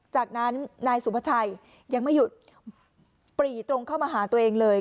จากนั้นนายสุภาชัยยังไม่หยุดปรีตรงเข้ามาหาตัวเองเลย